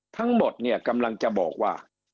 ทั้งหมดเนี่ยกำลังจะบอกว่า